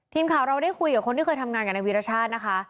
ทีมข่าวเราได้คุยกับคนที่เคยทำงานกับนายวีรชาตินะคะ